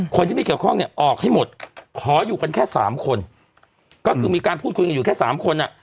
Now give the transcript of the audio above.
คนที่ไม่เกี่ยวข้องเนี่ยออกให้หมดขออยู่กันแค่สามคนก็คือมีการพูดคุยกันอยู่แค่สามคนอ่ะ